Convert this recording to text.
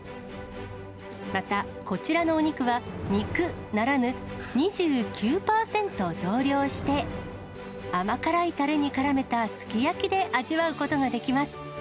またこちらのお肉は、肉ならぬ、２９％増量して、甘辛いたれにからめたすき焼きで味わうことができます。